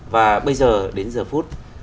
và bây giờ đến giờ phút